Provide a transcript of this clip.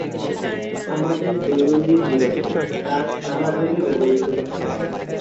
আমাদের দৈনন্দিন জীবনে গাছ নানভাবে ব্যবহৃত হয়।